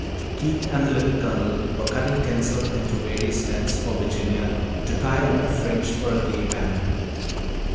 Keith and the Little Colonel were cutting tinsel into various lengths for Virginia to tie into fringe for a gay banner.